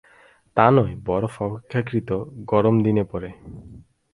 তা নয়, বরফ অপেক্ষাকৃত গরম দিনে পড়ে।